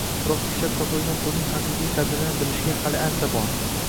biroq ishlab topilgan pulning haqiqiy qadrini bilishiga hali ancha bor.